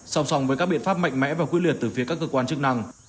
sòng sòng với các biện pháp mạnh mẽ và quỹ liệt từ phía các cơ quan chức năng